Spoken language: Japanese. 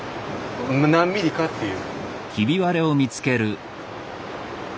何ミリかっていう。